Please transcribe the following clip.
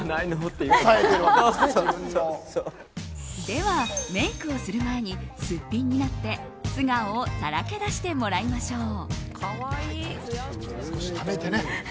では、メイクをする前にすっぴんになって素顔をさらけ出してもらいましょう。